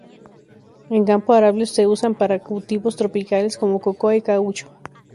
En campo arable se usan para cultivos tropicales como cocoa y caucho.